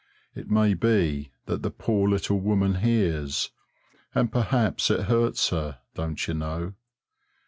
It may be that the poor little woman hears, and perhaps it hurts her, don't you know?